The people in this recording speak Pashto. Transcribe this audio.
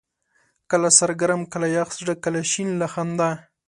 کله سر ګرم ، کله يخ زړه، کله شين له خندا